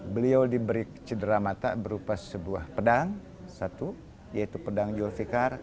beliau diberi cedera mata berupa sebuah pedang satu yaitu pedang julfikar